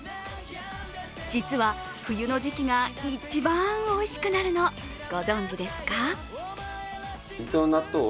実は冬の時期が一番おいしくなるの、ご存じですか？